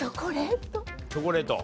チョコレート。